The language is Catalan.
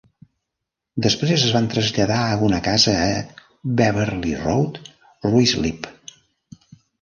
Després es van traslladar a una casa a Beverley Road, Ruislip.